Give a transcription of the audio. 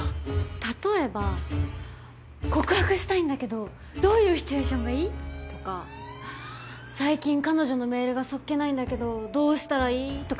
例えば「告白したいんだけどどういうシチュエーションがいい？」とか「最近彼女のメールがそっけないんだけどどうしたらいい？」とか。